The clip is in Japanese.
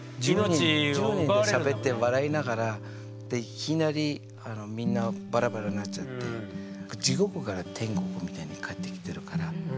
１０人でしゃべって笑いながらいきなりあのみんなバラバラなっちゃって地獄から天国みたいに帰ってきてるから。